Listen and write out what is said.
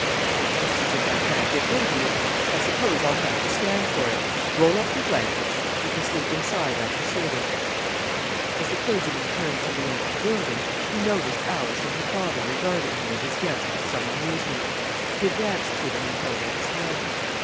"It looks as if I can't get rid of you. I suppose I'll have to stand for it! Roll up your blankets; you can sleep inside after service." As the clergyman turned to re enter the building he noticed Alice and her father regarding him and his guest with some amusement. He advanced to them, and held out his hand.